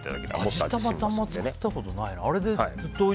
味玉ってあんまり作ったことないな。